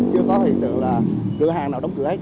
chưa có hiện tượng là cửa hàng nào đóng cửa